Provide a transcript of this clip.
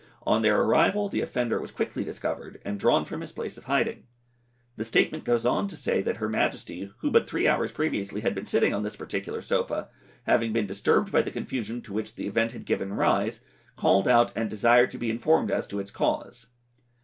On their arrival the offender was quickly discovered and drawn from his place of hiding. The statement then goes on to say that her Majesty, who but three hours previously had been sitting on this particular sofa, having been disturbed by the confusion to which the event had given rise, called out and desired to be informed as to its cause.